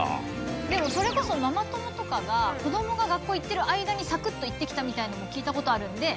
でもそれこそママ友とかが子どもが学校行ってる間にサクッと行ってきたみたいなのも聞いた事あるんで。